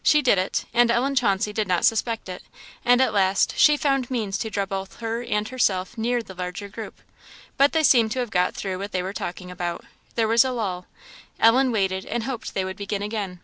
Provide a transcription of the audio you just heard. She did it, and Ellen Chauncey did not suspect it; and at last she found means to draw both her and herself near the larger group. But they seemed to have got through what they were talking about; there was a lull. Ellen waited and hoped they would begin again.